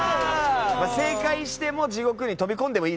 正解しても地獄に飛び込んでもいいですからね。